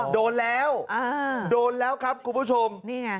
โดนแล้วโดนแล้วครับคุณผู้ชมนี่ไง